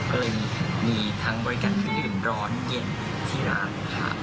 ก็เลยมีทั้งบริการที่อื่นร้อนเย็นที่ร้านค่ะ